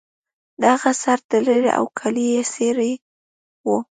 د هغه سر تړلی و او کالي یې څیرې وو